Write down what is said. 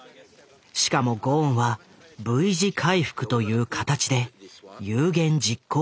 しかもゴーンはＶ字回復という形で有言実行してみせた。